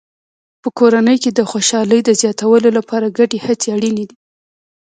په کورنۍ کې د خوشحالۍ د زیاتولو لپاره ګډې هڅې اړینې دي.